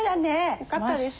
よかったです。